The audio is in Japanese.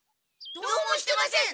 どうもしてません